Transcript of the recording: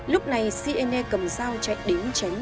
lúc này siene cầm sao chạy đến chánh